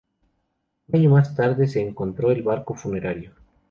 Un año más tarde se encontró el barco funerario.